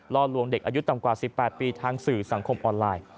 ล่อลวงเด็กอายุต่ำกว่า๑๘ปีทางสื่อสังคมออนไลน์